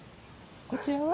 こちらは？